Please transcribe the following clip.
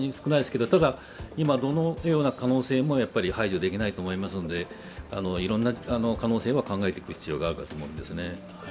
ただ、今、どのような可能性も排除できないと思いますのでいろいろな可能性は考えていく必要があるかと思うんですね。